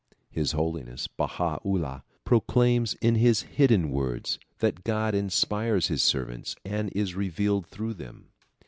His Holiness Baha 'Ullah proclaims in his Iliddfin Words that God inspires his servants and is revealed through them.